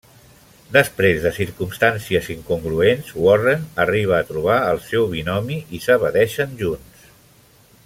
Després de circumstàncies incongruents, Warren arriba a trobar el seu binomi i s'evadeixen junts.